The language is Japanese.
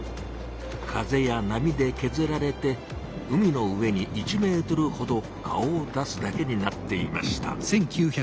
風や波でけずられて海の上に１ｍほど顔を出すだけになっていました。